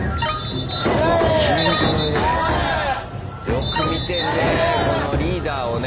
よく見てんねリーダーをね。